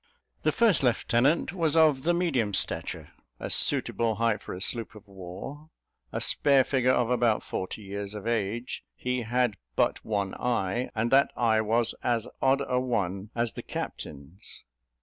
The first lieutenant was of the medium stature, a suitable height for a sloop of war, a spare figure of about forty years of age; he had but one eye, and that eye was as odd a one as the captain's.